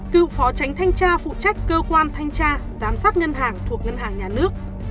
cựu phó tránh thanh tra phụ trách cơ quan thanh tra giám sát ngân hàng thuộc ngân hàng nhà nước